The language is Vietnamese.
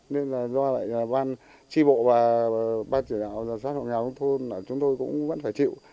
nên do lại ban tri bộ và ban chủ nhà hộ sát hộ nghèo của thôn là chúng tôi cũng vẫn phải chịu